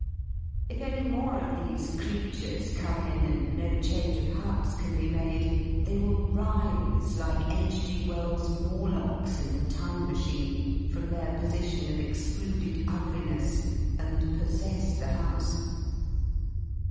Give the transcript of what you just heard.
If any more of these creatures come in and no change of Huts can be made, they will rise, like H. G.Wells' Morlocks in the "Time Machine" from their position of excluded ugliness and possess the house.